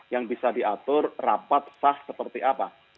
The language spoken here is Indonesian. yang bisa diatur rapat sah seperti apa